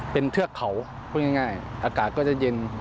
เป็นเทือกเขาพูดง่ายอากาศก็จะเย็น